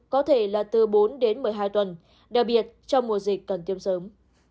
có thể là từ bốn đến một mươi hai tuần đặc biệt trong mùa dịch cần tiêm sớm